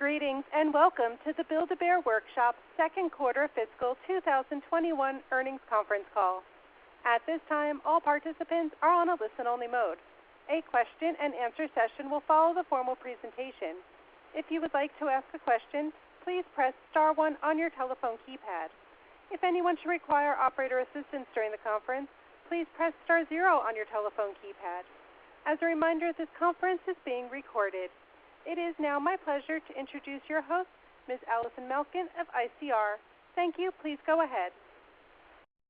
Greetings, and welcome to the Build-A-Bear Workshop second quarter fiscal 2021 earnings conference call. It is now my pleasure to introduce your host, Ms. Allison Malkin of ICR. Thank you. Please go ahead.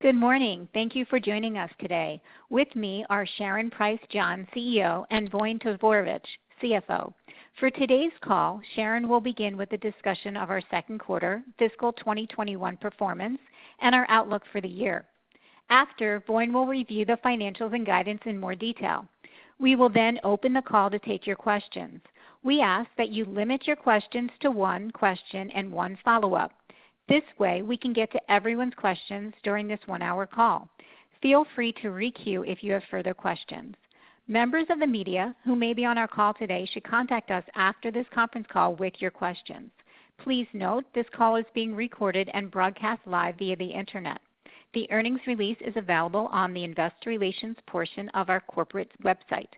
Good morning. Thank you for joining us today. With me are Sharon Price John, Chief Executive Officer, and Voin Todorovic, Chief Financial Officer. For today's call, Sharon will begin with a discussion of our second quarter fiscal 2021 performance and our outlook for the year. After, Voin will review the financials and guidance in more detail. We will then open the call to take your questions. We ask that you limit your questions to one question and one follow-up. This way, we can get to everyone's questions during this one-hour call. Feel free to re-queue if you have further questions. Members of the media who may be on our call today should contact us after this conference call with your questions. Please note, this call is being recorded and broadcast live via the internet. The earnings release is available on the investor relations portion of our corporate website.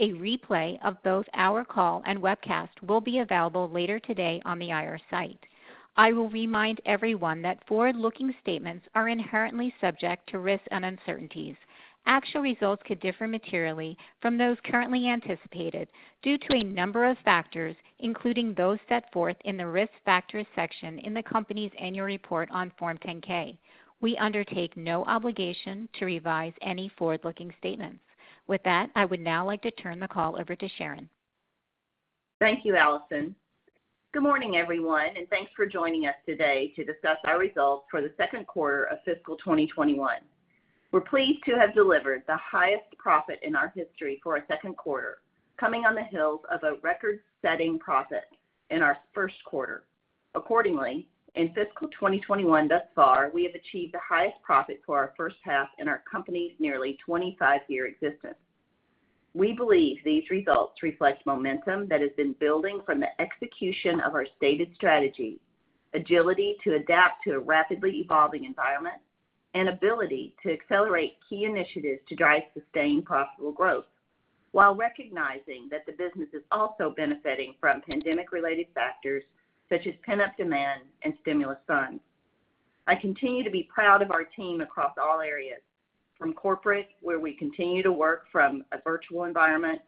A replay of both our call and webcast will be available later today on the IR site. I will remind everyone that forward-looking statements are inherently subject to risks and uncertainties. Actual results could differ materially from those currently anticipated due to a number of factors, including those set forth in the Risk Factors section in the company's annual report on Form 10-K. We undertake no obligation to revise any forward-looking statements. With that, I would now like to turn the call over to Sharon. Thank you, Allison. Good morning, everyone, and thanks for joining us today to discuss our results for the second quarter of fiscal 2021. We're pleased to have delivered the highest profit in our history for a second quarter, coming on the heels of a record-setting profit in our first quarter. Accordingly, in fiscal 2021 thus far, we have achieved the highest profit for our first half in our company's nearly 25-year existence. We believe these results reflect momentum that has been building from the execution of our stated strategy, agility to adapt to a rapidly evolving environment, and ability to accelerate key initiatives to drive sustained profitable growth, while recognizing that the business is also benefiting from pandemic-related factors such as pent-up demand and stimulus funds. I continue to be proud of our team across all areas, from corporate, where we continue to work from a virtual environment,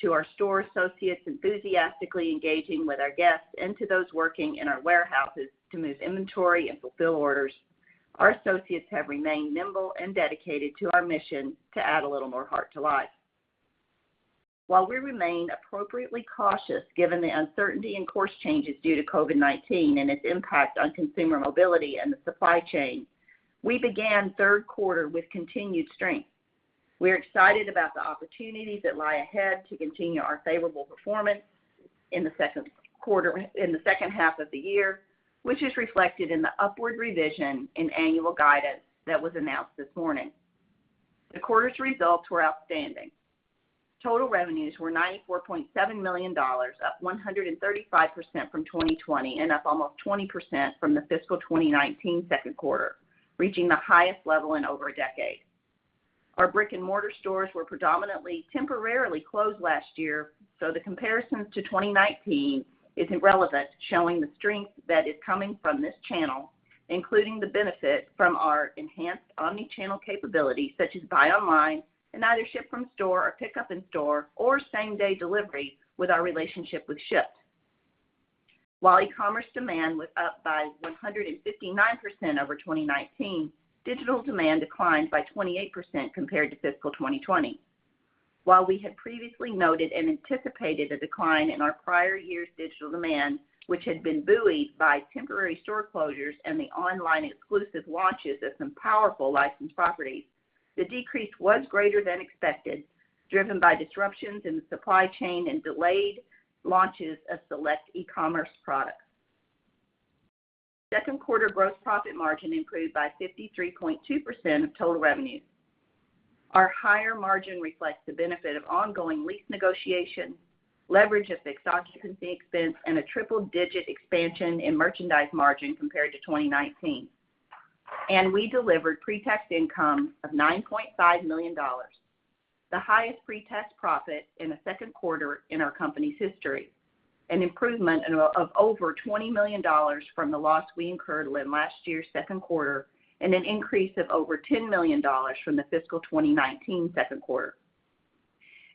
to our store associates enthusiastically engaging with our guests, and to those working in our warehouses to move inventory and fulfill orders. Our associates have remained nimble and dedicated to our mission to add a little more heart to life. While we remain appropriately cautious given the uncertainty and course changes due to COVID-19 and its impact on consumer mobility and the supply chain, we began third quarter with continued strength. We're excited about the opportunities that lie ahead to continue our favorable performance in the second half of the year, which is reflected in the upward revision in annual guidance that was announced this morning. The quarter's results were outstanding. Total revenues were $94.7 million, up 135% from 2020 and up almost 20% from the fiscal 2019 second quarter, reaching the highest level in over a decade. Our brick-and-mortar stores were predominantly temporarily closed last year, so the comparisons to 2019 isn't relevant, showing the strength that is coming from this channel, including the benefit from our enhanced omni-channel capabilities such as buy online and either ship from store or pickup in-store or same-day delivery with our relationship with Shipt. While e-commerce demand was up by 159% over 2019, digital demand declined by 28% compared to fiscal 2020. While we had previously noted and anticipated a decline in our prior year's digital demand, which had been buoyed by temporary store closures and the online exclusive launches of some powerful licensed properties, the decrease was greater than expected, driven by disruptions in the supply chain and delayed launches of select e-commerce products. Second quarter gross profit margin improved by 53.2% of total revenues. Our higher margin reflects the benefit of ongoing lease negotiations, leverage of fixed occupancy expense, and a triple-digit expansion in merchandise margin compared to 2019. We delivered pre-tax income of $9.5 million, the highest pre-tax profit in a second quarter in our company's history, an improvement of over $20 million from the loss we incurred in last year's second quarter and an increase of over $10 million from the fiscal 2019 second quarter.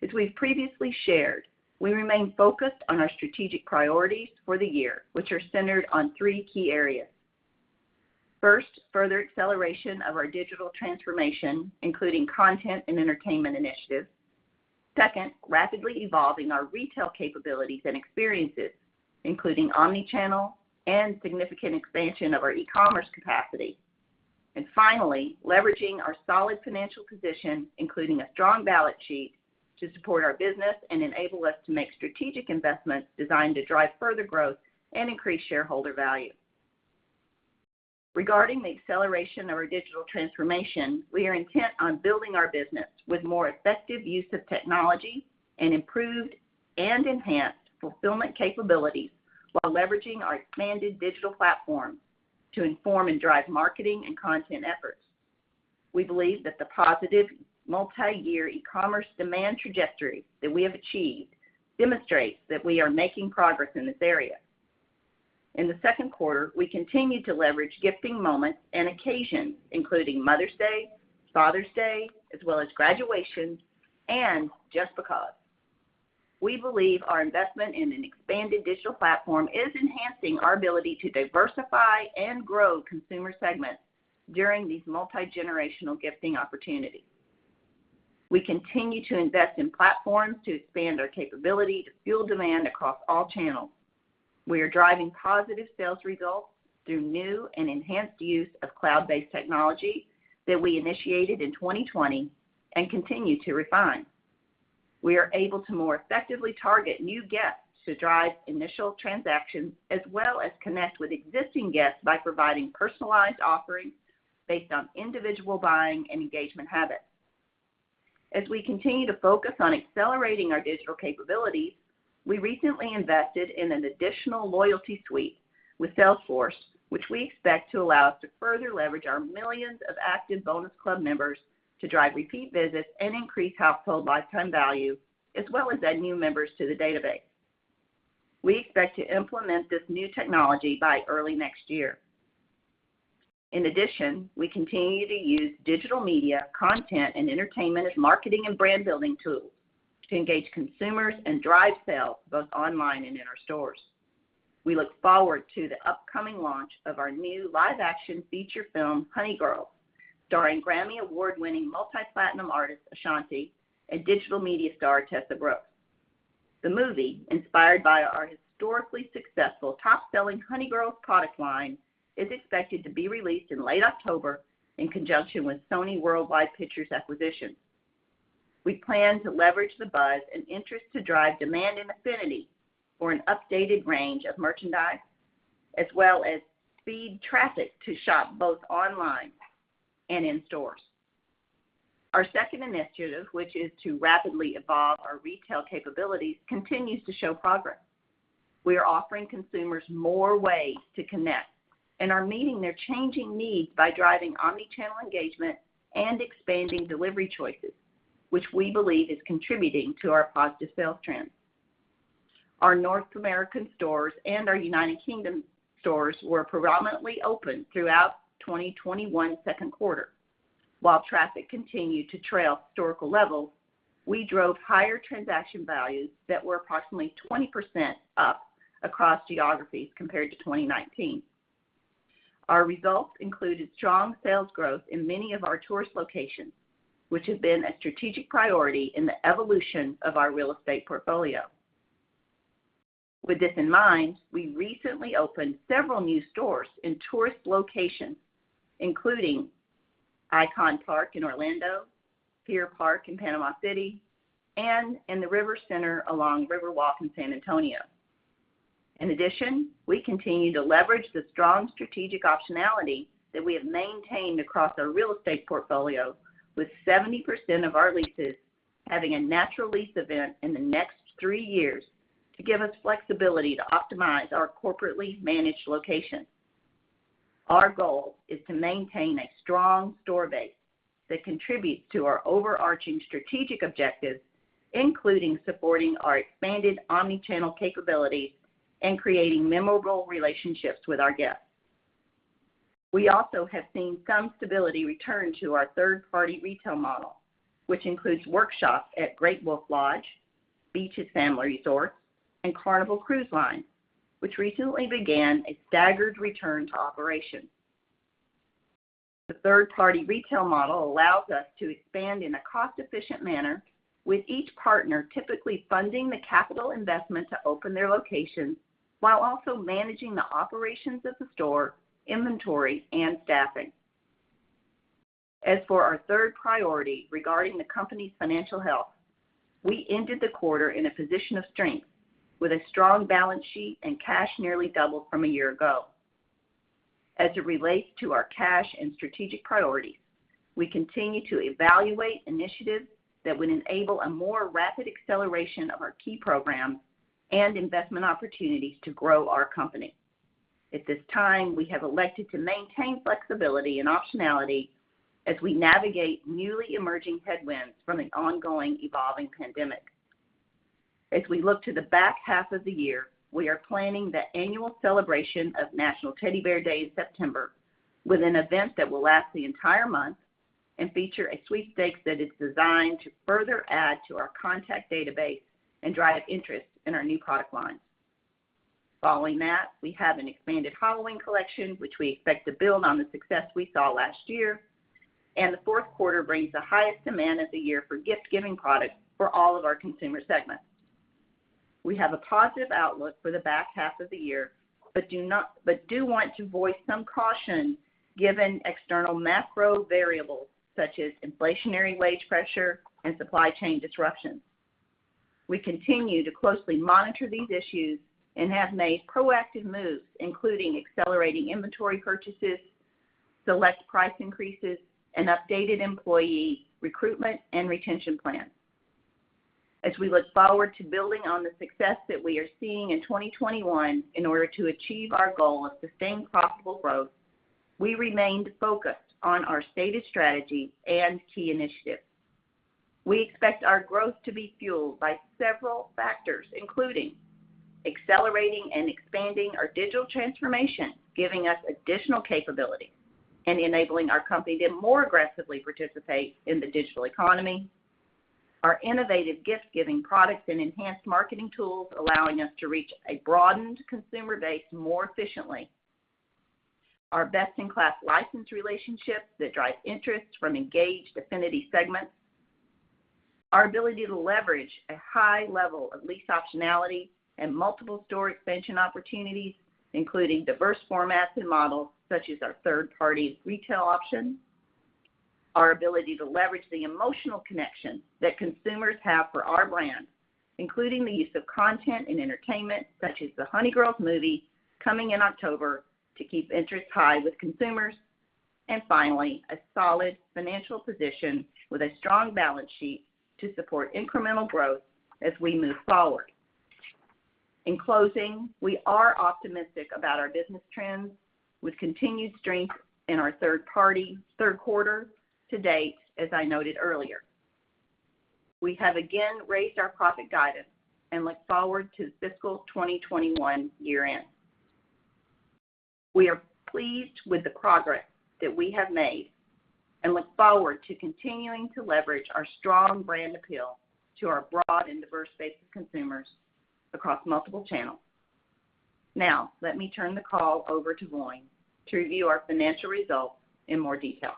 As we've previously shared, we remain focused on our strategic priorities for the year, which are centered on three key areas. First, further acceleration of our digital transformation, including content and entertainment initiatives. Second, rapidly evolving our retail capabilities and experiences, including omni-channel and significant expansion of our e-commerce capacity. Finally, leveraging our solid financial position, including a strong balance sheet, to support our business and enable us to make strategic investments designed to drive further growth and increase shareholder value. Regarding the acceleration of our digital transformation, we are intent on building our business with more effective use of technology and improved and enhanced fulfillment capabilities while leveraging our expanded digital platform to inform and drive marketing and content efforts. We believe that the positive multi-year e-commerce demand trajectory that we have achieved demonstrates that we are making progress in this area. In the second quarter, we continued to leverage gifting moments and occasions including Mother's Day, Father's Day, as well as graduations, and just because. We believe our investment in an expanded digital platform is enhancing our ability to diversify and grow consumer segments during these multi-generational gifting opportunities. We continue to invest in platforms to expand our capability to fuel demand across all channels. We are driving positive sales results through new and enhanced use of cloud-based technology that we initiated in 2020 and continue to refine. We are able to more effectively target new guests to drive initial transactions, as well as connect with existing guests by providing personalized offerings based on individual buying and engagement habits. As we continue to focus on accelerating our digital capabilities, we recently invested in an additional loyalty suite with Salesforce, which we expect to allow us to further leverage our millions of active Bonus Club members to drive repeat business and increase household lifetime value, as well as add new members to the database. We expect to implement this new technology by early next year. In addition, we continue to use digital media, content, and entertainment as marketing and brand-building tools to engage consumers and drive sales both online and in our stores. We look forward to the upcoming launch of our new live-action feature film, "Honey Girls," starring Grammy Award-winning multi-platinum artist, Ashanti, and digital media star, Tessa Brooks. The movie, inspired by our historically successful top-selling Honey Girls product line, is expected to be released in late October in conjunction with Sony Pictures Worldwide Acquisitions. We plan to leverage the buzz and interest to drive demand and affinity for an updated range of merchandise, as well as speed traffic to shop both online and in stores. Our second initiative, which is to rapidly evolve our retail capabilities, continues to show progress. We are offering consumers more ways to connect and are meeting their changing needs by driving omnichannel engagement and expanding delivery choices, which we believe is contributing to our positive sales trends. Our North American stores and our United Kingdom stores were predominantly open throughout 2021 second quarter. While traffic continued to trail historical levels, we drove higher transaction values that were approximately 20% up across geographies compared to 2019. Our results included strong sales growth in many of our tourist locations, which have been a strategic priority in the evolution of our real estate portfolio. With this in mind, we recently opened several new stores in tourist locations, including ICON Park in Orlando, Pier Park in Panama City, and in the Rivercenter along River Walk in San Antonio. In addition, we continue to leverage the strong strategic optionality that we have maintained across our real estate portfolio with 70% of our leases having a natural lease event in the next three years to give us flexibility to optimize our corporately managed locations. Our goal is to maintain a strong store base that contributes to our overarching strategic objectives, including supporting our expanded omnichannel capabilities and creating memorable relationships with our guests. We also have seen some stability return to our third-party retail model, which includes workshops at Great Wolf Lodge, Beaches Resorts, and Carnival Cruise Line, which recently began a staggered return to operation. The third-party retail model allows us to expand in a cost-efficient manner with each partner typically funding the capital investment to open their locations while also managing the operations of the store, inventory, and staffing. As for our third priority regarding the company's financial health, we ended the quarter in a position of strength with a strong balance sheet and cash nearly double from a year ago. As it relates to our cash and strategic priorities, we continue to evaluate initiatives that would enable a more rapid acceleration of our key programs and investment opportunities to grow our company. At this time, we have elected to maintain flexibility and optionality as we navigate newly emerging headwinds from an ongoing evolving pandemic. As we look to the back half of the year, we are planning the annual celebration of National Teddy Bear Day in September with an event that will last the entire month and feature a sweepstakes that is designed to further add to our contact database and drive interest in our new product lines. Following that, we have an expanded Halloween collection, which we expect to build on the success we saw last year, and the fourth quarter brings the highest demand of the year for gift-giving products for all of our consumer segments. We have a positive outlook for the back half of the year, but do want to voice some caution given external macro variables such as inflationary wage pressure and supply chain disruptions. We continue to closely monitor these issues and have made proactive moves, including accelerating inventory purchases, select price increases, and updated employee recruitment and retention plans. As we look forward to building on the success that we are seeing in 2021, in order to achieve our goal of sustained profitable growth, we remained focused on our stated strategy and key initiatives. We expect our growth to be fueled by several factors, including accelerating and expanding our digital transformation, giving us additional capability and enabling our company to more aggressively participate in the digital economy. Our innovative gift-giving products and enhanced marketing tools, allowing us to reach a broadened consumer base more efficiently. Our best-in-class license relationships that drive interest from engaged affinity segments. Our ability to leverage a high level of lease optionality and multiple store expansion opportunities, including diverse formats and models such as our third-party retail option. Our ability to leverage the emotional connection that consumers have for our brand, including the use of content and entertainment such as the Honey Girls movie coming in October to keep interest high with consumers. Finally, a solid financial position with a strong balance sheet to support incremental growth as we move forward. In closing, we are optimistic about our business trends with continued strength in our third quarter to date, as I noted earlier. We have again raised our profit guidance and look forward to fiscal 2021 year-end. We are pleased with the progress that we have made and look forward to continuing to leverage our strong brand appeal to our broad and diverse base of consumers across multiple channels. Let me turn the call over to Voin to review our financial results in more detail.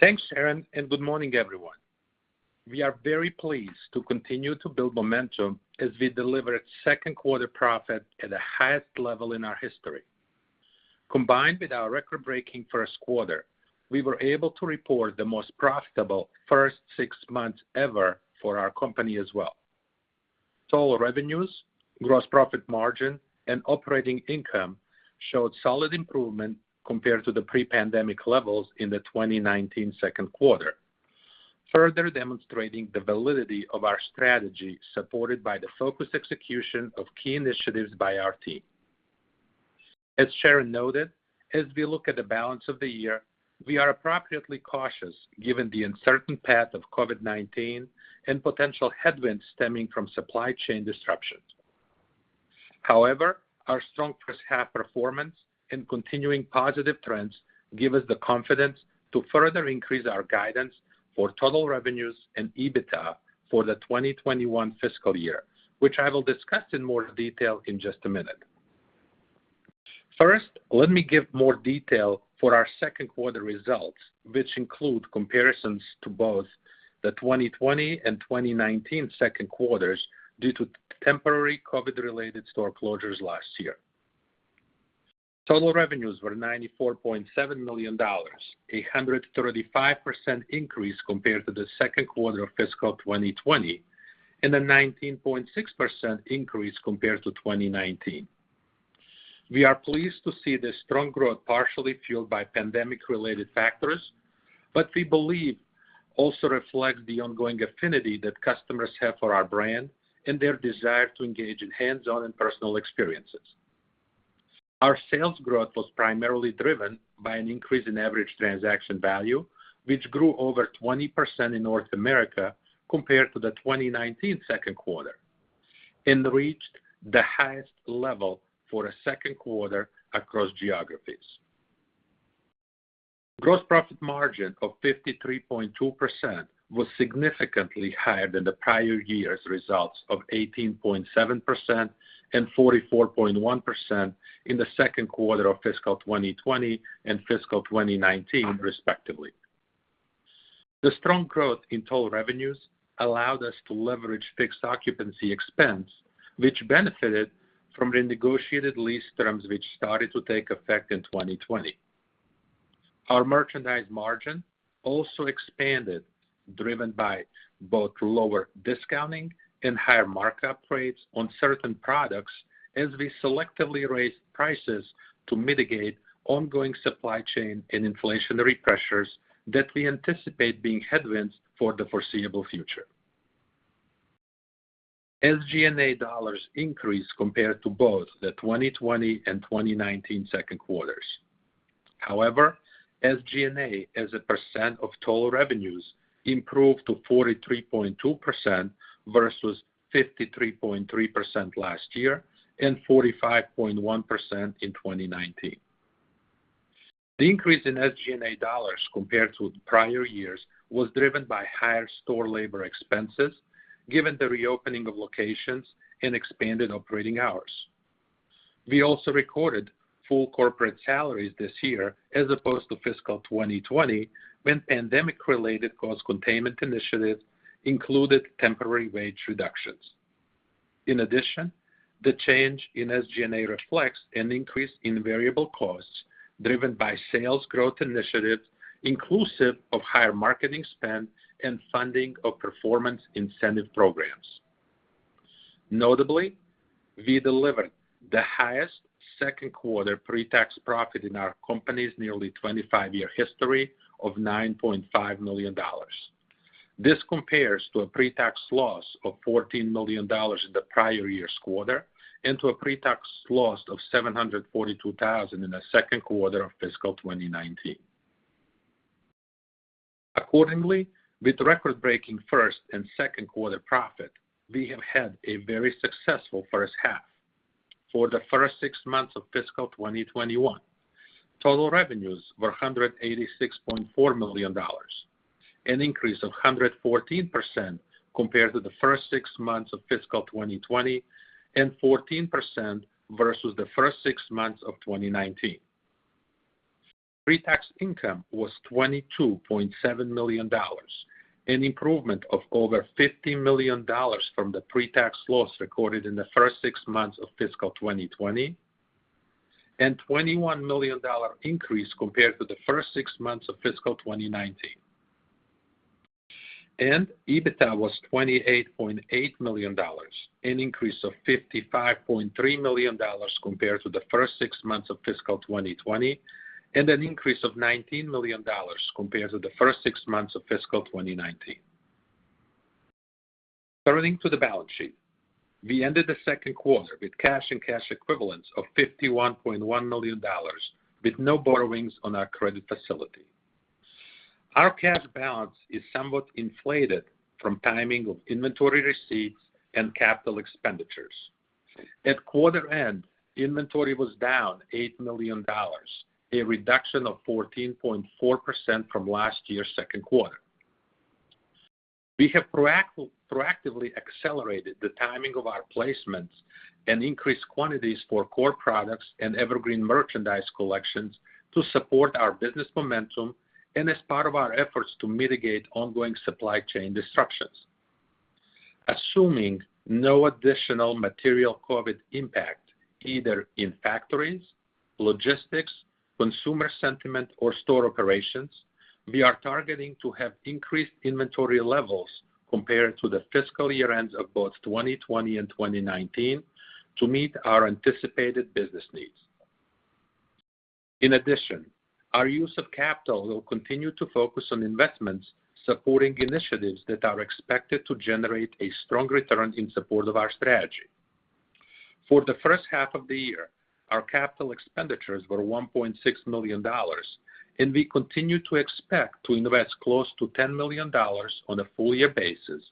Thanks, Sharon, and good morning, everyone. We are very pleased to continue to build momentum as we delivered second quarter profit at the highest level in our history. Combined with our record-breaking first quarter, we were able to report the most profitable first six months ever for our company as well. Total revenues, gross profit margin, and operating income showed solid improvement compared to the pre-pandemic levels in the 2019 second quarter, further demonstrating the validity of our strategy, supported by the focused execution of key initiatives by our team. As Sharon noted, as we look at the balance of the year, we are appropriately cautious given the uncertain path of COVID-19 and potential headwinds stemming from supply chain disruptions. Our strong first half performance and continuing positive trends give us the confidence to further increase our guidance for total revenues and EBITDA for the 2021 fiscal year, which I will discuss in more detail in just a minute. Let me give more detail for our second quarter results, which include comparisons to both the 2020 and 2019 second quarters due to temporary COVID-related store closures last year. Total revenues were $94.7 million, 135% increase compared to the second quarter of fiscal 2020, and a 19.6% increase compared to 2019. We are pleased to see the strong growth partially fueled by pandemic-related factors, but we believe also reflects the ongoing affinity that customers have for our brand and their desire to engage in hands-on and personal experiences. Our sales growth was primarily driven by an increase in average transaction value, which grew over 20% in North America compared to the 2019 second quarter and reached the highest level for a second quarter across geographies. Gross profit margin of 53.2% was significantly higher than the prior year's results of 18.7% and 44.1% in the second quarter of fiscal 2020 and fiscal 2019, respectively. The strong growth in total revenues allowed us to leverage fixed occupancy expense, which benefited from renegotiated lease terms, which started to take effect in 2020. Our merchandise margin also expanded, driven by both lower discounting and higher markup rates on certain products as we selectively raised prices to mitigate ongoing supply chain and inflationary pressures that we anticipate being headwinds for the foreseeable future. SG&A dollars increased compared to both the 2020 and 2019 second quarters. However, SG&A as a percent of total revenues improved to 43.2% versus 53.3% last year and 45.1% in 2019. The increase in SG&A dollars compared to the prior years was driven by higher store labor expenses, given the reopening of locations and expanded operating hours. We also recorded full corporate salaries this year as opposed to fiscal 2020, when pandemic related cost containment initiatives included temporary wage reductions. In addition, the change in SG&A reflects an increase in variable costs driven by sales growth initiatives, inclusive of higher marketing spend and funding of performance incentive programs. Notably, we delivered the highest second quarter pre-tax profit in our company's nearly 25-year history of $9.5 million. This compares to a pre-tax loss of $14 million in the prior year's quarter and to a pre-tax loss of $742,000 in the second quarter of fiscal 2019. Accordingly, with record-breaking first and second quarter profit, we have had a very successful first half. For the first six months of fiscal 2021, total revenues were $186.4 million, an increase of 114% compared to the first six months of fiscal 2020, and 14% versus the first six months of 2019. Pre-tax income was $22.7 million, an improvement of over $50 million from the pre-tax loss recorded in the first six months of fiscal 2020, and $21 million increase compared to the first six months of fiscal 2019. EBITDA was $28.8 million, an increase of $55.3 million compared to the first six months of fiscal 2020, and an increase of $19 million compared to the first six months of fiscal 2019. Turning to the balance sheet. We ended the second quarter with cash and cash equivalents of $51.1 million, with no borrowings on our credit facility. Our cash balance is somewhat inflated from timing of inventory receipts and capital expenditures. At quarter end, inventory was down $8 million, a reduction of 14.4% from last year's second quarter. We have proactively accelerated the timing of our placements and increased quantities for core products and evergreen merchandise collections to support our business momentum and as part of our efforts to mitigate ongoing supply chain disruptions. Assuming no additional material COVID impact either in factories, logistics, consumer sentiment, or store operations, we are targeting to have increased inventory levels compared to the fiscal year-ends of both 2020 and 2019 to meet our anticipated business needs. In addition, our use of capital will continue to focus on investments supporting initiatives that are expected to generate a strong return in support of our strategy. For the first half of the year, our capital expenditures were $1.6 million, and we continue to expect to invest close to $10 million on a full-year basis,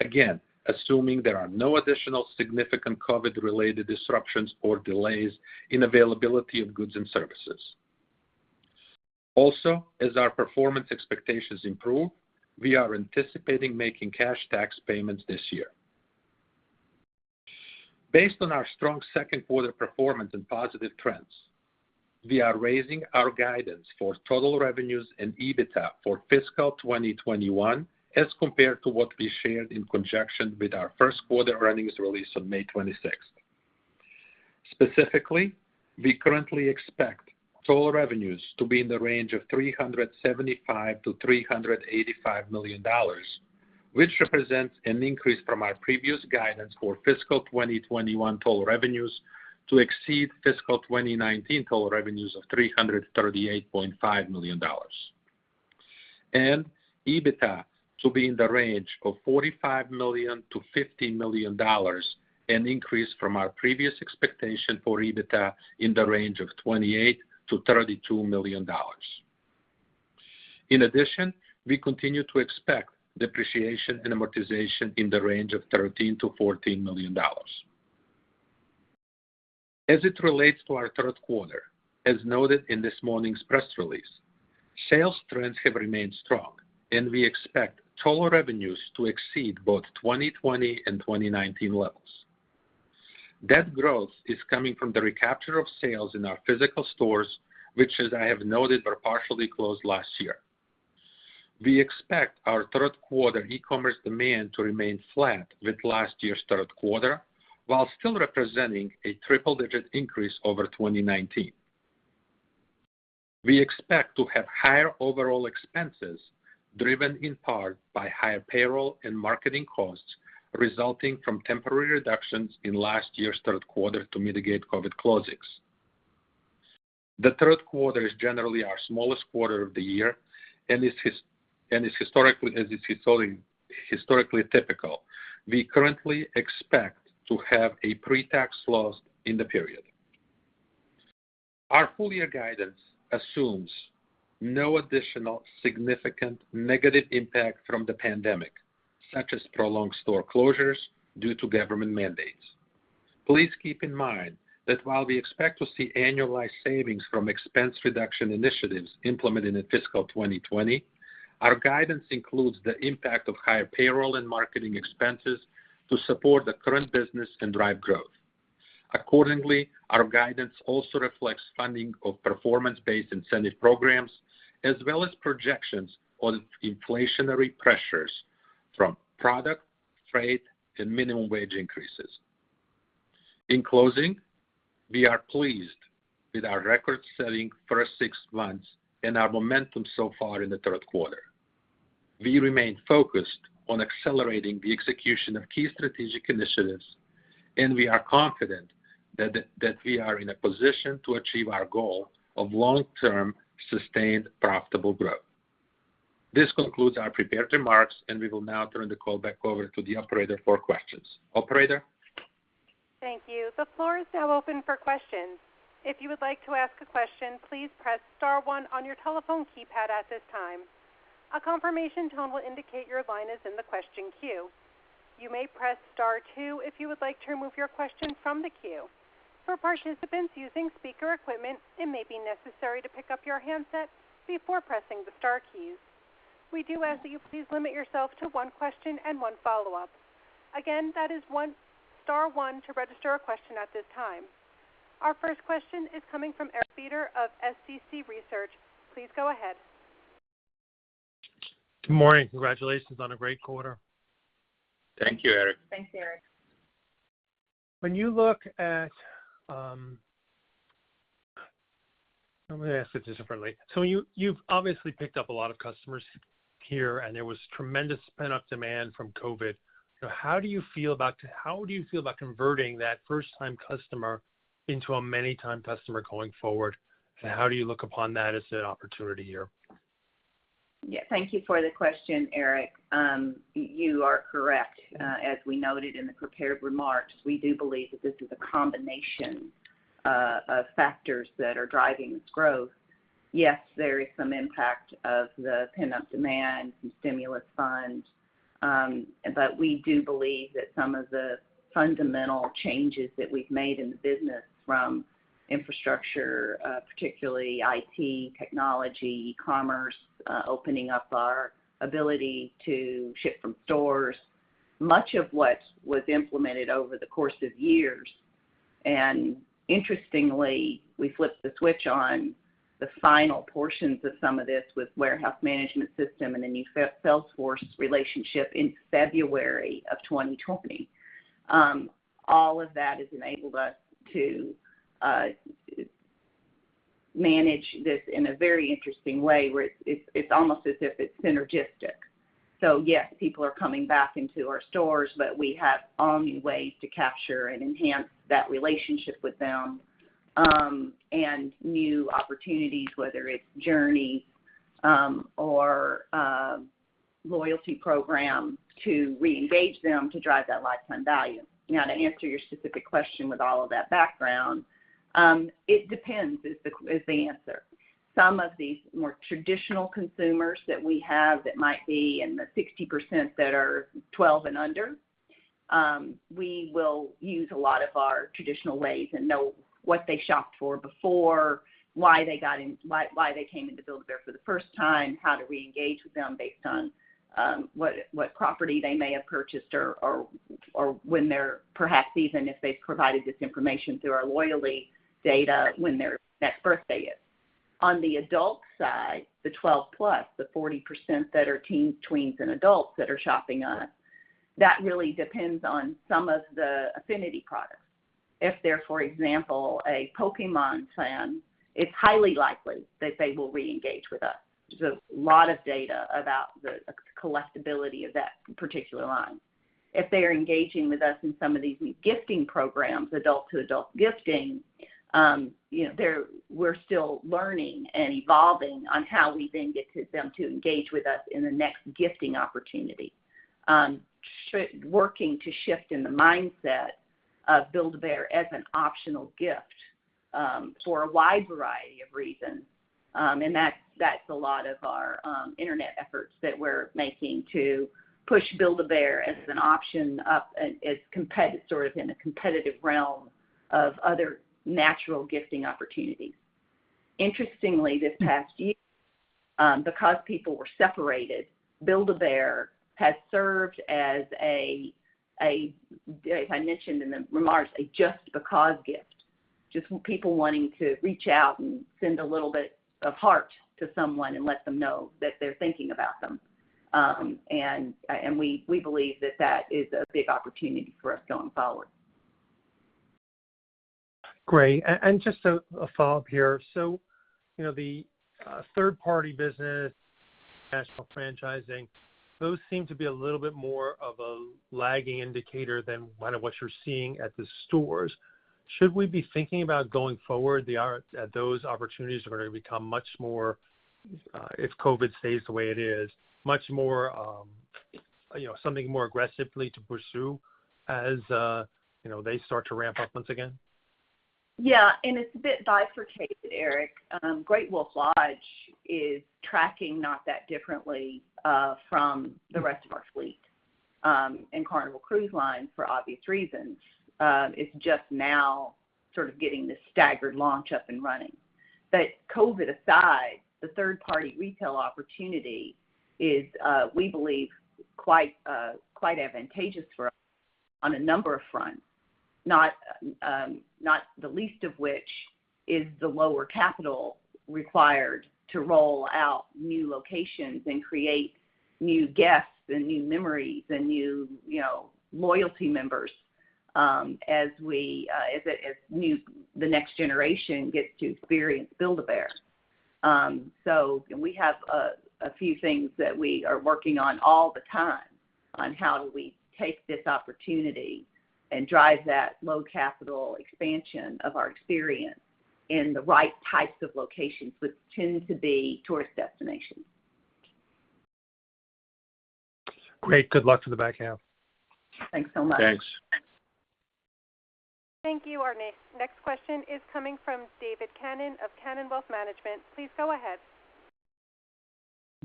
again, assuming there are no additional significant COVID-related disruptions or delays in availability of goods and services. Also, as our performance expectations improve, we are anticipating making cash tax payments this year. Based on our strong second quarter performance and positive trends, we are raising our guidance for total revenues and EBITDA for fiscal 2021 as compared to what we shared in conjunction with our first quarter earnings release on May 26th. Specifically, we currently expect total revenues to be in the range of $375 million-$385 million, which represents an increase from our previous guidance for fiscal 2021 total revenues to exceed fiscal 2019 total revenues of $338.5 million. EBITDA to be in the range of $45 million-$50 million, an increase from our previous expectation for EBITDA in the range of $28 million-$32 million. In addition, we continue to expect depreciation and amortization in the range of $13 million-$14 million. As it relates to our third quarter, as noted in this morning's press release, sales trends have remained strong, and we expect total revenues to exceed both 2020 and 2019 levels. That growth is coming from the recapture of sales in our physical stores, which, as I have noted, were partially closed last year. We expect our third quarter e-commerce demand to remain flat with last year's third quarter while still representing a triple-digit increase over 2019. We expect to have higher overall expenses driven in part by higher payroll and marketing costs resulting from temporary reductions in last year's third quarter to mitigate COVID closings. The third quarter is generally our smallest quarter of the year, and as is historically typical, we currently expect to have a pre-tax loss in the period. Our full-year guidance assumes no additional significant negative impact from the pandemic, such as prolonged store closures due to government mandates. Please keep in mind that while we expect to see annualized savings from expense reduction initiatives implemented in fiscal 2020, our guidance includes the impact of higher payroll and marketing expenses to support the current business and drive growth. Accordingly, our guidance also reflects funding of performance-based incentive programs, as well as projections on inflationary pressures from product, freight, and minimum wage increases. In closing, we are pleased with our record-setting first six months and our momentum so far in the third quarter. We remain focused on accelerating the execution of key strategic initiatives, and we are confident that we are in a position to achieve our goal of long-term, sustained, profitable growth. This concludes our prepared remarks, and we will now turn the call back over to the operator for questions. Operator? Thank you. The floor is now open for questions. If you would like to ask a question, please press star one on your telephone keypad at this time. A confirmation tone will indicate your line is in the question queue. You may press star two if you would like to remove your question from the queue. For participants using speaker equipment, it may be necessary to pick up your handset before pressing the star keys. We do ask that you please limit yourself to one question and one follow-up. Again, that is star one to register a question at this time. Our first question is coming from Eric Beder of Small Cap Consumer Research. Please go ahead. Good morning. Congratulations on a great quarter. Thank you, Eric. Thanks, Eric. Let me ask it differently. You've obviously picked up a lot of customers here, and there was tremendous pent-up demand from COVID. How do you feel about converting that first-time customer into a many-time customer going forward, and how do you look upon that as an opportunity here? Yeah. Thank you for the question, Eric. You are correct. As we noted in the prepared remarks, we do believe that this is a combination of factors that are driving this growth. Yes, there is some impact of the pent-up demand and stimulus funds, we do believe that some of the fundamental changes that we've made in the business from infrastructure, particularly IT, technology, commerce, opening up our ability to ship from stores, much of what was implemented over the course of years. Interestingly, we flipped the switch on the final portions of some of this with warehouse management system and a new Salesforce relationship in February of 2020. All of that has enabled us to manage this in a very interesting way, where it's almost as if it's synergistic. Yes, people are coming back into our stores, but we have all new ways to capture and enhance that relationship with them, and new opportunities, whether it's journey or loyalty program, to reengage them to drive that lifetime value. To answer your specific question with all of that background, it depends, is the answer. Some of these more traditional consumers that we have that might be in the 60% that are 12 years and under, we will use a lot of our traditional ways and know what they shopped for before, why they came into Build-A-Bear for the first time, how do we engage with them based on what property they may have purchased or when they're, perhaps even if they've provided this information through our loyalty data, when their next birthday is. On the adult side, the 12+ years, the 40% that are tweens and adults that are shopping us, that really depends on some of the affinity products. If they're, for example, a Pokémon fan, it's highly likely that they will reengage with us. There's a lot of data about the collectibility of that particular line. If they are engaging with us in some of these new gifting programs, adult-to-adult gifting, we're still learning and evolving on how we then get them to engage with us in the next gifting opportunity. Working to shift in the mindset of Build-A-Bear as an optional gift, for a wide variety of reasons, and that's a lot of our internet efforts that we're making to push Build-A-Bear as an option up as competitors in a competitive realm of other natural gifting opportunities. Interestingly, this past year, because people were separated, Build-A-Bear has served as a, as I mentioned in the remarks, a just because gift. Just people wanting to reach out and send a little bit of heart to someone and let them know that they're thinking about them. We believe that that is a big opportunity for us going forward. Great. Just a follow-up here. The third-party business, national franchising, those seem to be a little bit more of a lagging indicator than kind of what you're seeing at the stores. Should we be thinking about going forward that those opportunities are going to become much more, if COVID stays the way it is, something more aggressively to pursue as they start to ramp up once again? Yeah, it's a bit bifurcated, Eric. Great Wolf Lodge is tracking not that differently from the rest of our fleet. Carnival Cruise Line, for obvious reasons, is just now sort of getting this staggered launch up and running. COVID aside, the third-party retail opportunity is, we believe, quite advantageous for us on a number of fronts, not the least of which is the lower capital required to roll out new locations and create new guests and new memories and new loyalty members, as the next generation gets to experience Build-A-Bear. We have a few things that we are working on all the time on how do we take this opportunity and drive that low-capital expansion of our experience in the right types of locations, which tend to be tourist destinations. Great. Good luck for the back half. Thanks so much. Thanks. Thank you, Arne. Next question is coming from David Kanen of Kanen Wealth Management. Please go ahead.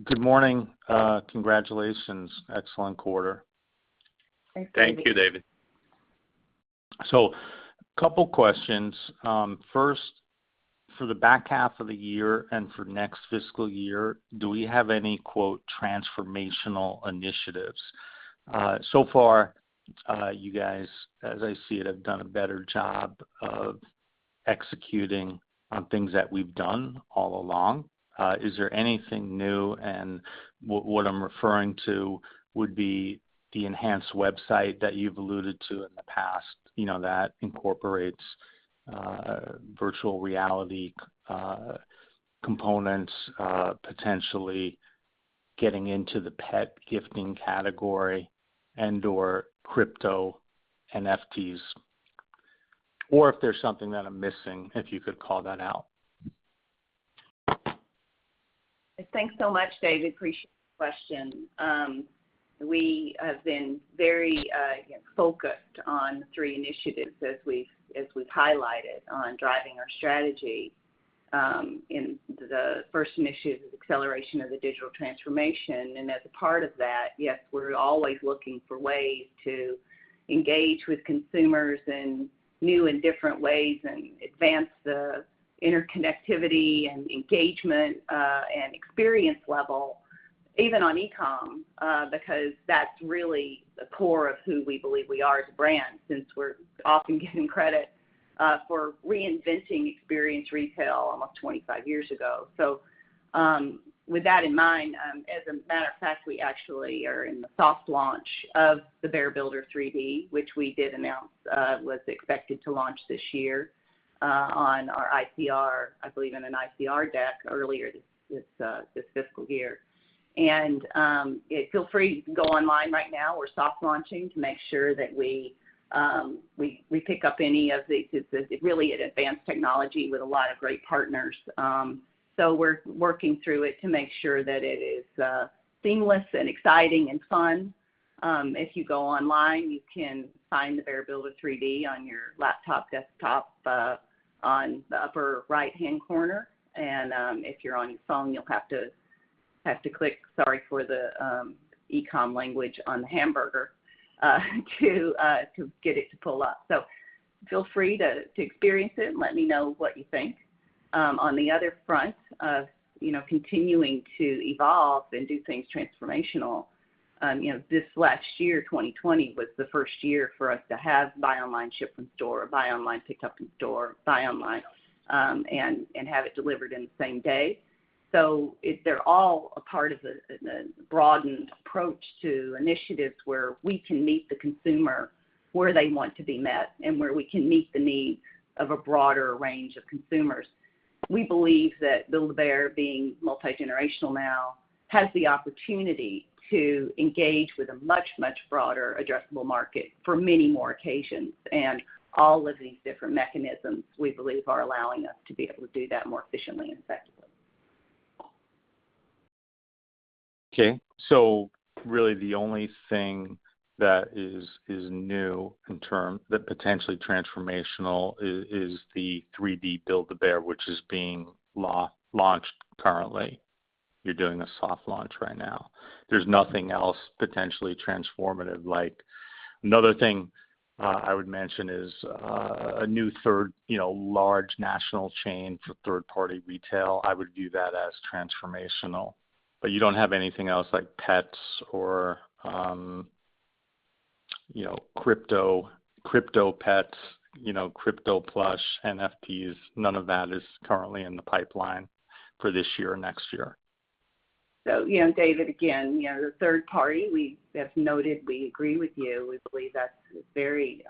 Good morning. Good. Congratulations. Excellent quarter. Thanks, David. Thank you, David. A couple questions. First, for the back half of the year and for next fiscal year, do we have any, quote, "transformational initiatives"? Far, you guys, as I see it, have done a better job of executing on things that we've done all along. Is there anything new? What I'm referring to would be the enhanced website that you've alluded to in the past, that incorporates virtual reality components, potentially getting into the pet gifting category and/or crypto NFTs. If there's something that I'm missing, if you could call that out. Thanks so much, David. Appreciate the question. We have been very focused on three initiatives as we've highlighted on driving our strategy. The first initiative is acceleration of the digital transformation. As a part of that, yes, we're always looking for ways to engage with consumers in new and different ways and advance the interconnectivity and engagement, and experience level, even on e-com, because that's really the core of who we believe we are as a brand, since we're often given credit for reinventing experience retail almost 25 years ago. With that in mind, as a matter of fact, we actually are in the soft launch of the Bear Builder 3D, which we did announce was expected to launch this year on our ICR, I believe in an ICR deck earlier this fiscal year. Feel free, you can go online right now. We're soft launching to make sure that we pick up any of the. It's really an advanced technology with a lot of great partners. We're working through it to make sure that it is seamless and exciting and fun. If you go online, you can find the Bear Builder 3D on your laptop, desktop, on the upper right-hand corner. If you're on your phone, you'll have to click, sorry for the e-com language, on the hamburger to get it to pull up. Feel free to experience it and let me know what you think. On the other front of continuing to evolve and do things transformational, this last year, 2020, was the first year for us to have buy online, ship in store, buy online, pick up in store, buy online, and have it delivered in the same day. They're all a part of the broadened approach to initiatives where we can meet the consumer where they want to be met and where we can meet the needs of a broader range of consumers. We believe that Build-A-Bear, being multi-generational now, has the opportunity to engage with a much, much broader addressable market for many more occasions. All of these different mechanisms, we believe, are allowing us to be able to do that more efficiently and effectively. Okay. Really the only thing that is new, potentially transformational, is the 3D Build-A-Bear, which is being launched currently. You're doing a soft launch right now. There's nothing else potentially transformative. Another thing I would mention is a new large national chain for third-party retail. I would view that as transformational. You don't have anything else like pets or crypto pets, crypto plush, NFTs. None of that is currently in the pipeline for this year or next year? David, again, the third party, we have noted, we agree with you. We believe that's very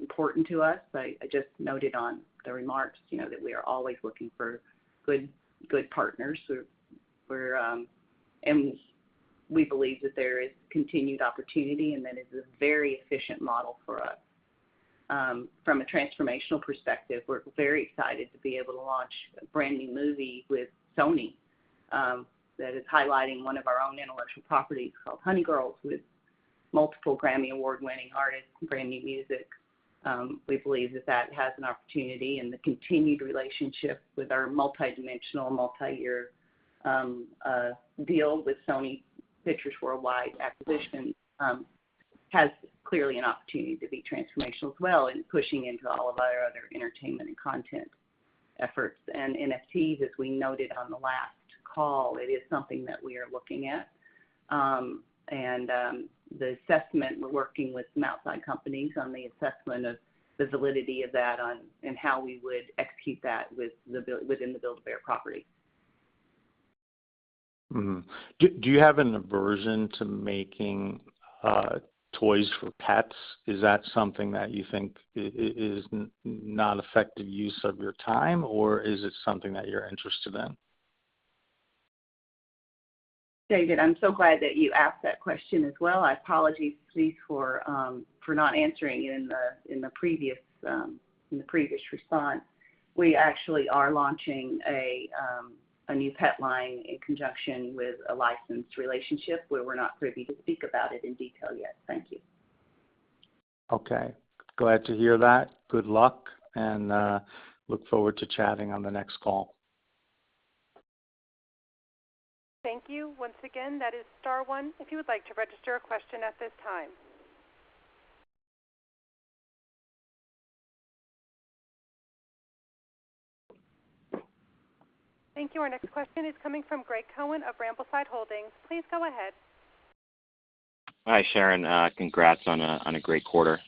important to us. I just noted on the remarks, that we are always looking for good partners, and we believe that there is continued opportunity and that it's a very efficient model for us. From a transformational perspective, we're very excited to be able to launch a brand new movie with Sony, that is highlighting one of our own intellectual properties called "Honey Girls" with multiple Grammy Award-winning artists and brand new music. We believe that that has an opportunity, and the continued relationship with our multi-dimensional, multi-year deal with Sony Pictures Worldwide Acquisitions has clearly an opportunity to be transformational as well in pushing into all of our other entertainment and content efforts. NFTs, as we noted on the last call, it is something that we are looking at. The assessment, we're working with some outside companies on the assessment of the validity of that and how we would execute that within the Build-A-Bear property. Do you have an aversion to making toys for pets? Is that something that you think is not effective use of your time, or is it something that you're interested in? David, I'm so glad that you asked that question as well. I apologize for not answering it in the previous response. We actually are launching a new pet line in conjunction with a licensed relationship where we're not privy to speak about it in detail yet. Thank you. Okay. Glad to hear that. Good luck, and look forward to chatting on the next call. Thank you. Once again, that is star one if you would like to register a question at this time. Thank you. Our next question is coming from Gregory Cohen of Rambleside Holdings. Please go ahead. Hi, Sharon. Congrats on a great quarter.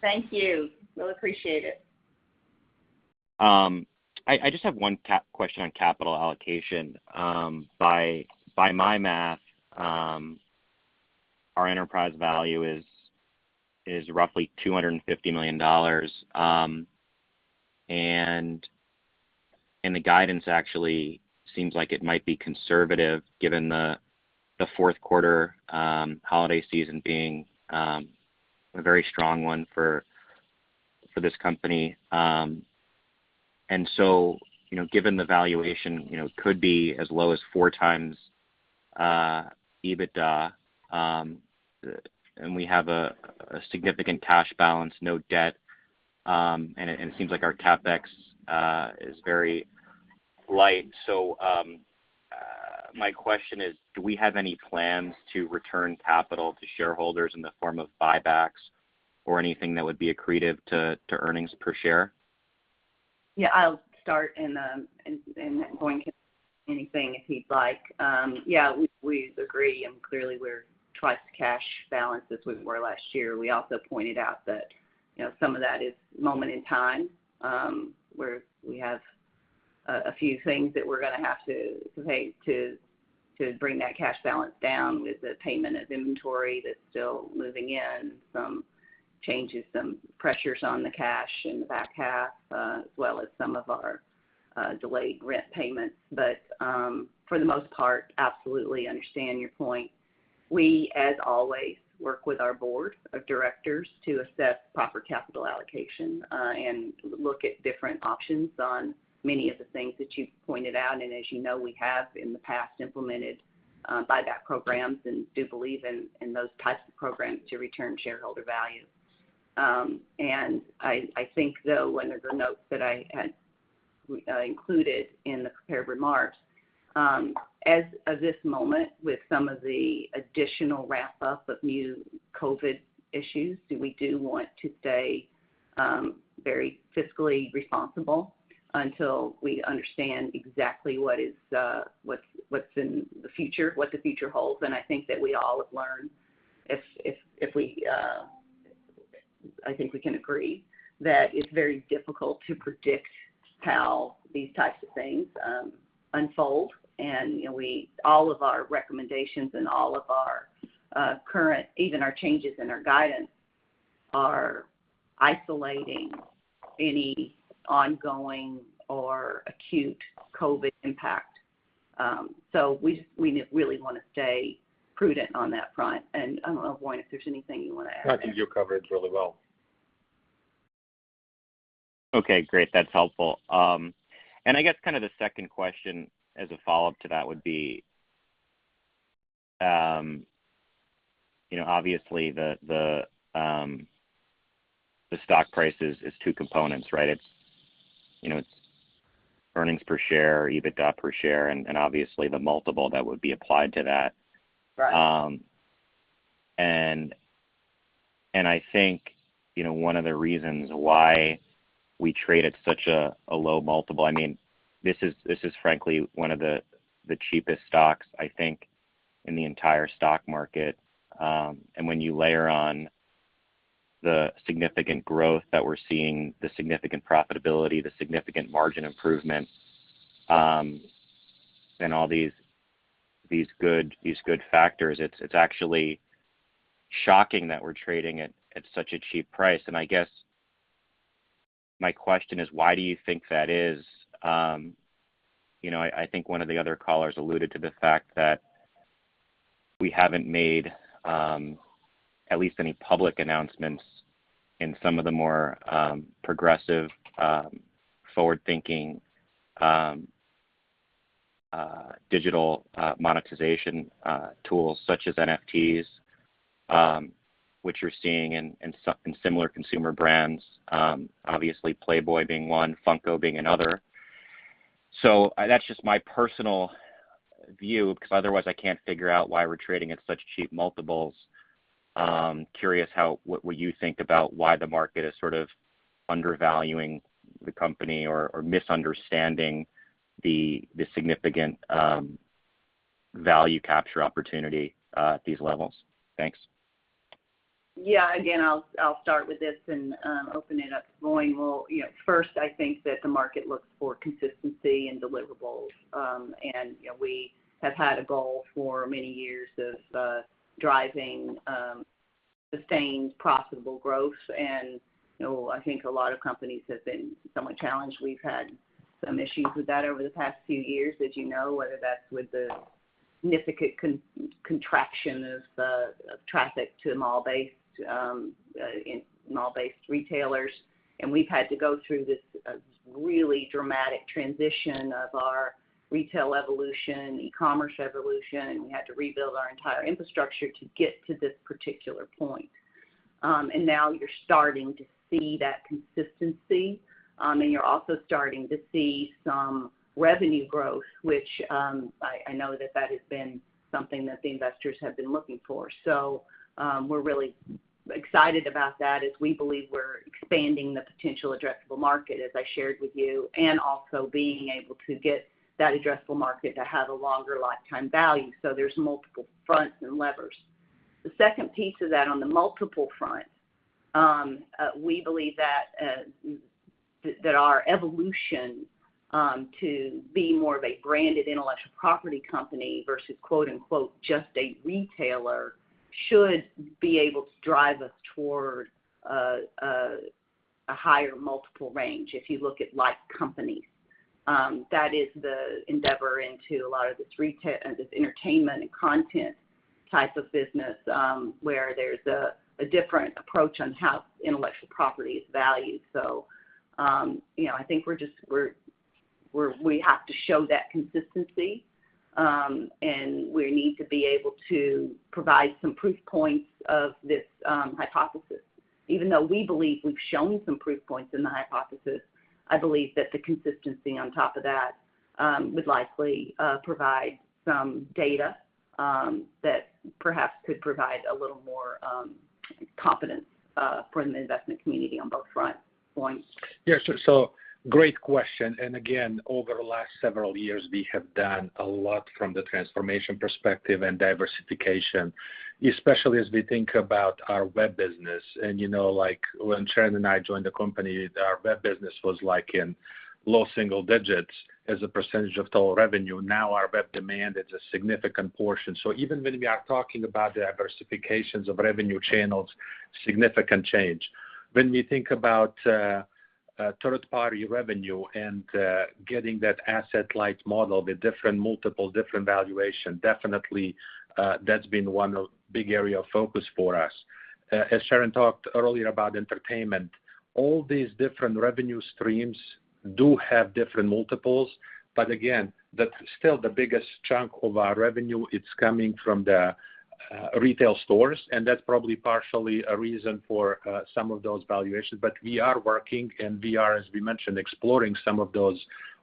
Thank you. We'll appreciate it. I just have one question on capital allocation. By my math, our enterprise value is roughly $250 million. The guidance actually seems like it might be conservative, given the fourth quarter holiday season being a very strong one for this company. Given the valuation, could be as low as 4x EBITDA. We have a significant cash balance, no debt, and it seems like our CapEx is very light. My question is, do we have any plans to return capital to shareholders in the form of buybacks or anything that would be accretive to earnings per share? I'll start and then Voin can add anything if he'd like. We agree, clearly we're twice the cash balance as we were last year. We also pointed out that some of that is moment in time, where we have a few things that we're going to have to pay to bring that cash balance down with the payment of inventory that's still moving in, some changes, some pressures on the cash in the back half, as well as some of our delayed rent payments. For the most part, absolutely understand your point. We, as always, work with our board of directors to assess proper capital allocation, and look at different options on many of the things that you've pointed out. As you know, we have in the past implemented buyback programs and do believe in those types of programs to return shareholder value. I think, though, one of the notes that I had included in the prepared remarks, as of this moment, with some of the additional wrap-up of new COVID issues, that we do want to stay very fiscally responsible until we understand exactly what the future holds. I think that we all have learned, I think we can agree, that it's very difficult to predict how these types of things unfold. All of our recommendations and all of our current, even our changes in our guidance, are isolating any ongoing or acute COVID impact. We really want to stay prudent on that front. I don't know, Voin, if there's anything you want to add there. No, I think you covered it really well. Okay, great. That's helpful. I guess kind of the second question as a follow-up to that would be, obviously the stock price is two components, right? It's earnings per share, or EBITDA per share, and obviously the multiple that would be applied to that. Right. I think one of the reasons why we trade at such a low multiple, this is frankly one of the cheapest stocks, I think, in the entire stock market. When you layer on the significant growth that we're seeing, the significant profitability, the significant margin improvement, and all these good factors, it's actually shocking that we're trading at such a cheap price. I guess my question is, why do you think that is? I think one of the other callers alluded to the fact that we haven't made at least any public announcements in some of the more progressive, forward-thinking, digital monetization tools such as NFTs what you're seeing in similar consumer brands, obviously Playboy being one, Funko being another. That's just my personal view, because otherwise I can't figure out why we're trading at such cheap multiples. Curious what you think about why the market is sort of undervaluing the company or misunderstanding the significant value capture opportunity at these levels? Thanks. Yeah, again, I'll start with this and open it up to Voin. Well, first, I think that the market looks for consistency and deliverables. We have had a goal for many years of driving sustained profitable growth. I think a lot of companies have been somewhat challenged. We've had some issues with that over the past few years, as you know, whether that's with the significant contraction of traffic to mall-based retailers. We've had to go through this really dramatic transition of our retail evolution, e-commerce evolution, and we had to rebuild our entire infrastructure to get to this particular point. Now you're starting to see that consistency, and you're also starting to see some revenue growth, which I know that that has been something that the investors have been looking for. We're really excited about that as we believe we're expanding the potential addressable market, as I shared with you, and also being able to get that addressable market to have a longer lifetime value. There's multiple fronts and levers. The second piece of that, on the multiple front, we believe that our evolution to be more of a branded intellectual property company versus, quote-unquote, just a retailer should be able to drive us toward a higher multiple range if you look at like companies. That is the endeavor into a lot of this entertainment and content type of business, where there's a different approach on how intellectual property is valued. I think we have to show that consistency, and we need to be able to provide some proof points of this hypothesis. Even though we believe we've shown some proof points in the hypothesis, I believe that the consistency on top of that would likely provide some data that perhaps could provide a little more confidence for the investment community on both fronts. Voin? Yeah. Great question, and again, over the last several years, we have done a lot from the transformation perspective and diversification, especially as we think about our web business. When Sharon and I joined the company, our web business was in low single digits as a percentage of total revenue. Now our web demand is a significant portion. Even when we are talking about the diversifications of revenue channels, significant change. When we think about third-party revenue and getting that asset-light model with different multiple, different valuation, definitely that's been one big area of focus for us. As Sharon talked earlier about entertainment, all these different revenue streams do have different multiples, but again, that's still the biggest chunk of our revenue, it's coming from the retail stores, and that's probably partially a reason for some of those valuations. We are working, and we are, as we mentioned, exploring some of those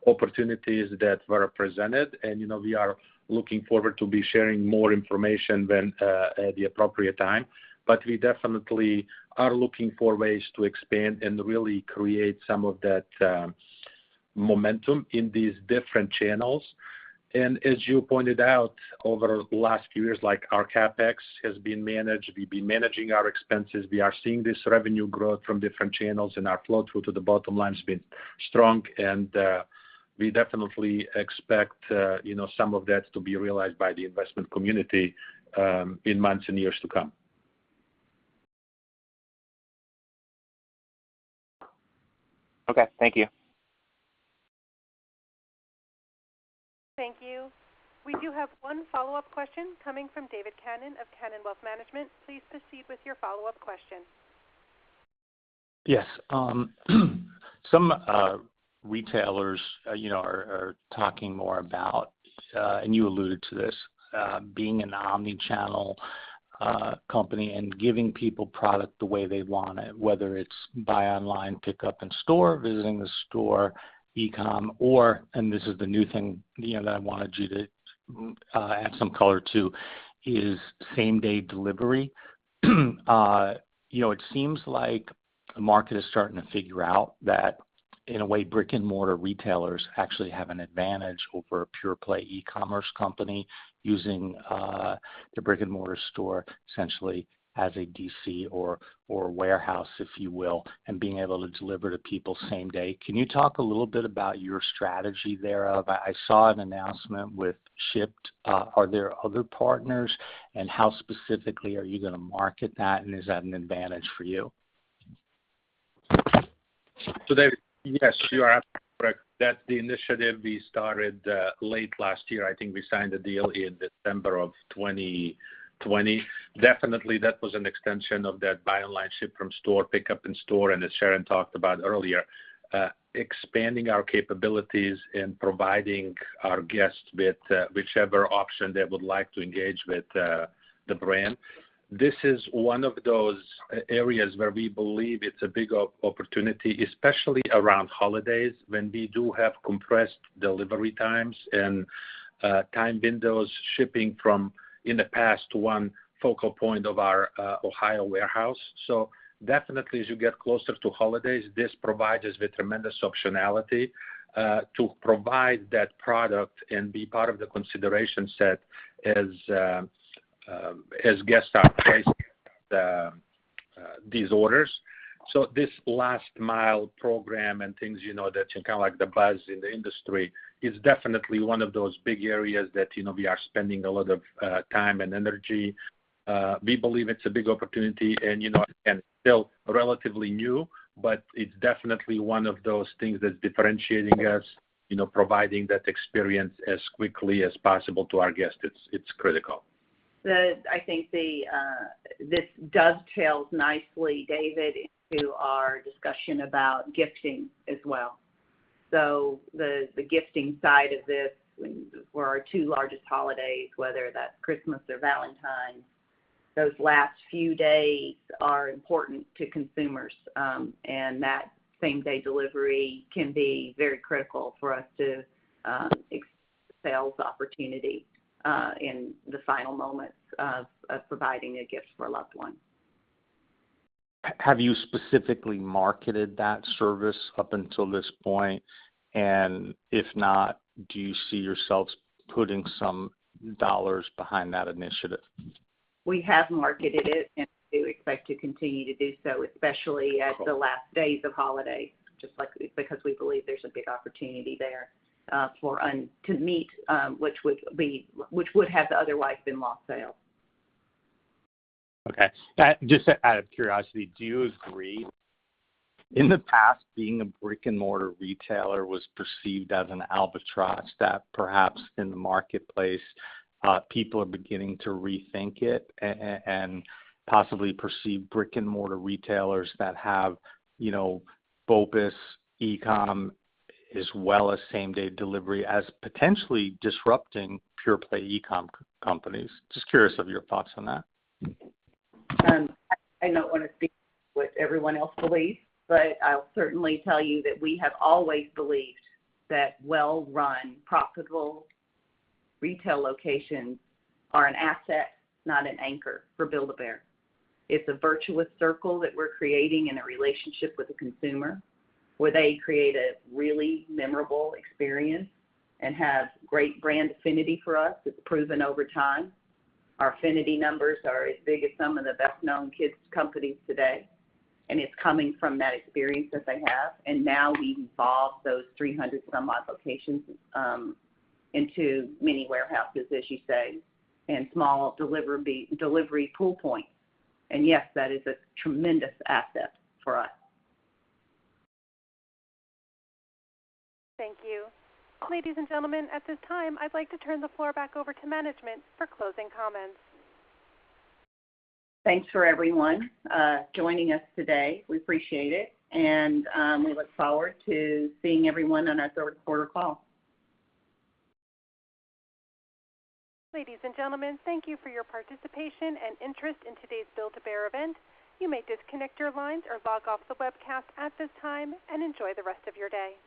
opportunities that were presented, and we are looking forward to be sharing more information at the appropriate time. We definitely are looking for ways to expand and really create some of that momentum in these different channels. As you pointed out, over the last few years, our CapEx has been managed. We've been managing our expenses. We are seeing this revenue growth from different channels, and our flow through to the bottom line has been strong, and we definitely expect some of that to be realized by the investment community in months and years to come. Okay. Thank you. Thank you. We do have one follow-up question coming from David Kanen of Kanen Wealth Management. Please proceed with your follow-up question. Yes. Some retailers are talking more about, and you alluded to this, being an omni-channel company and giving people product the way they want it, whether it's buy online, pick up in store, visiting the store, e-com, or, and this is the new thing that I wanted you to add some color to, is same-day delivery. It seems like the market is starting to figure out that, in a way, brick-and-mortar retailers actually have an advantage over a pure-play e-commerce company using the brick-and-mortar store essentially as a DC or warehouse, if you will, and being able to deliver to people same day. Can you talk a little bit about your strategy thereof? I saw an announcement with Shipt. Are there other partners, and how specifically are you going to market that, and is that an advantage for you? Yes, you are absolutely correct. That's the initiative we started late last year. I think we signed the deal in December of 2020. That was an extension of that buy online, ship from store, pickup in store, and as Sharon talked about earlier, expanding our capabilities in providing our guests with whichever option they would like to engage with the brand. This is one of those areas where we believe it's a big opportunity, especially around holidays, when we do have compressed delivery times and time windows shipping from, in the past, one focal point of our Ohio warehouse. As you get closer to holidays, this provides us with tremendous optionality to provide that product and be part of the consideration set as guests are pricing these orders. This last mile program and things that you kind of like the buzz in the industry is definitely one of those big areas that we are spending a lot of time and energy. We believe it's a big opportunity and again, still relatively new, but it's definitely one of those things that's differentiating us, providing that experience as quickly as possible to our guests. It's critical. I think this dovetails nicely, David, into our discussion about gifting as well. The gifting side of this for our two largest holidays, whether that's Christmas or Valentine's, those last few days are important to consumers. That same-day delivery can be very critical for us to excel the opportunity in the final moments of providing a gift for a loved one. Have you specifically marketed that service up until this point? If not, do you see yourselves putting some dollars behind that initiative? We have marketed it, and we do expect to continue to do so, especially at the last days of holiday, because we believe there's a big opportunity there to meet, which would have otherwise been lost sales. Okay. Just out of curiosity, do you agree, in the past, being a brick-and-mortar retailer was perceived as an albatross that perhaps in the marketplace people are beginning to rethink it and possibly perceive brick-and-mortar retailers that have BOPIS, e-com, as well as same-day delivery as potentially disrupting pure play e-com companies? Just curious of your thoughts on that. I don't want to speak what everyone else believes, but I'll certainly tell you that we have always believed that well-run, profitable retail locations are an asset, not an anchor for Build-A-Bear. It's a virtuous circle that we're creating in a relationship with the consumer, where they create a really memorable experience and have great brand affinity for us. It's proven over time. Our affinity numbers are as big as some of the best-known kids companies today, and it's coming from that experience that they have. Now we've evolved those 300 some odd locations into mini warehouses, as you say, and small delivery pull points. Yes, that is a tremendous asset for us. Thank you. Ladies and gentlemen, at this time, I'd like to turn the floor back over to management for closing comments. Thanks for everyone joining us today. We appreciate it, and we look forward to seeing everyone on our third quarter call. Ladies and gentlemen, thank you for your participation and interest in today's Build-A-Bear event. You may disconnect your lines or log off the webcast at this time, and enjoy the rest of your day.